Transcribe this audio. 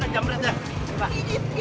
jamret jadi inti